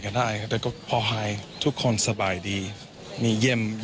พ่อให้แพะก็ได้แล้วก็พ่อให้ทุกคนสบายดี